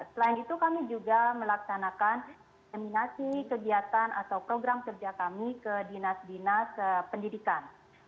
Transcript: selain itu kami juga melaksanakan eminasi kegiatan atau program kerja kami ke dinas dinas pendidikan